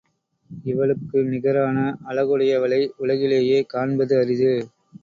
இவளுக்கு நிகரான அழகுடையவளை உலகிலேயே காண்பது அரிது!